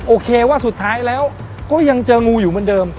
โอเคว่าสุดท้ายแล้วก็ยังเจองูอยู่เหมือนเดิม